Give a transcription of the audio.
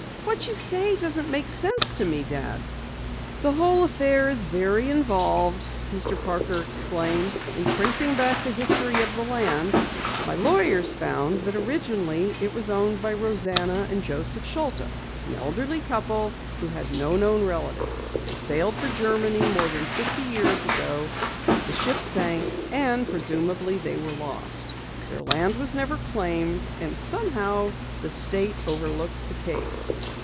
"What you say doesn't make sense to me, Dad." "The whole affair is very involved," Mr. Parker explained. "In tracing back the history of the land, my lawyers found that originally it was owned by Rosanna and Joseph Schulta, an elderly couple, who had no known relatives. They sailed for Germany more than fifty years ago. The ship sank, and presumably they were lost. Their land was never claimed, and somehow the state overlooked the case."